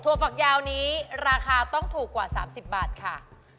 ฝักยาวนี้ราคาต้องถูกกว่า๓๐บาทค่ะ